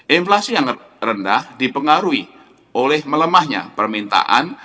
inflasi yang rendah dipengaruhi oleh melemahnya permintaan